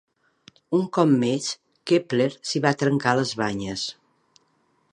Un cop més, Kepler s'hi va trencar les banyes.